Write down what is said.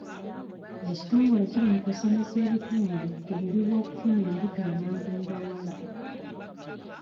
Ekitongole kiri mu kusomesa ebitundu ku bubi bw'okufuna embuto amangu mu bawala.